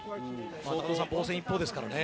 防戦一方ですからね。